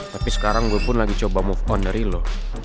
tapi sekarang gue pun lagi coba move on dari lo